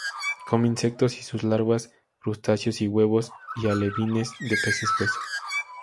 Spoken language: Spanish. Come insectos y sus larvas, crustáceos y huevos y alevines de peces hueso.